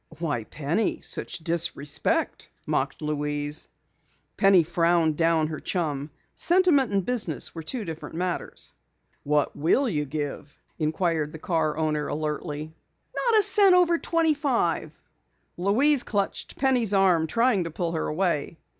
"Why, Penny, such disrespect!" mocked Louise. Penny frowned down her chum. Sentiment and business were two different matters. "What will you give?" inquired the car owner alertly. "Not a cent over twenty five." Louise clutched Penny's arm, trying to pull her away.